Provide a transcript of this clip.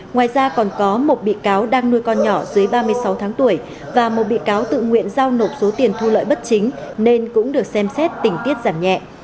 ngoài ra còn có một bị cáo đang nuôi con nhỏ dưới ba mươi sáu tháng tuổi và một bị cáo tự nguyện giao nộp số tiền thu lợi bất chính nên cũng được xem xét tình tiết giảm nhẹ